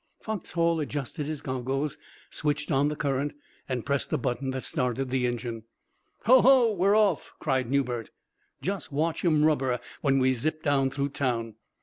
Foxhall adjusted his goggles, switched on the current, and pressed a button that started the engine. "Ho! ho! We're off!" cried Newbert. "Just watch 'em rubber when we zip down through town.